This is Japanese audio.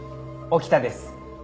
沖田です。